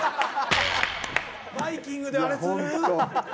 バイキングであれする？